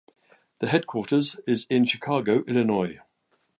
The headquarters is in Chicago, Illinois.